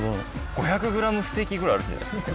５００グラムステーキぐらいあるんじゃないですか。